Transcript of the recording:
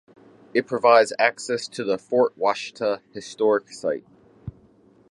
It provides access to the Fort Washita Historic Site.